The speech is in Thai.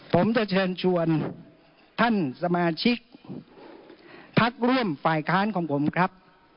ผมจะเชิญชวนท่านสมาชิกพักร่วมฝ่ายค้านของผมครับ